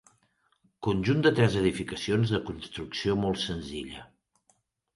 Conjunt de tres edificacions de construcció molt senzilla.